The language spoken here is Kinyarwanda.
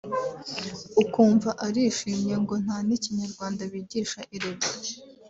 ukumva arishimye ngo nta n’ikinyarwanda bigisha erega